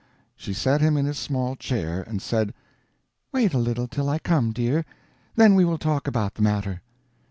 She set him in his small chair, and said, "Wait a little till I come, dear; then we will talk about the matter."